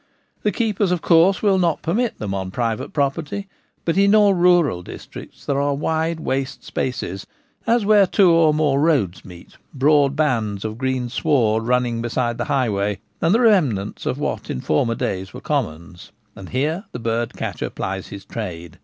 The keepers, of course, will not permit them on private property ; but in all rural districts there are wide waste spaces — as where M 2 1 64 The Gamekeeper at Home. two or more roads meet — broad bands of green sward running beside the highway, and the remnants of what in former days were commons ; and here the bird catcher plies his trade.